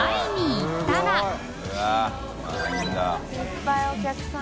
いっぱいお客さん。